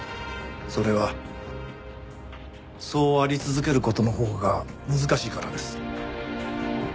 それはそうあり続ける事のほうが難しいからです。